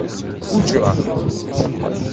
Qujjṛeɣ.